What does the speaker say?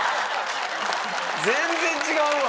全然違うわ！